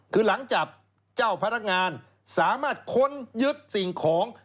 คือหลังจากเจ้าพนักงานสามารถค้นยึดสิ่งของ